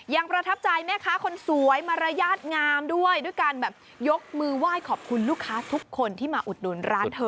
ประทับใจแม่ค้าคนสวยมารยาทงามด้วยด้วยการแบบยกมือไหว้ขอบคุณลูกค้าทุกคนที่มาอุดหนุนร้านเธอ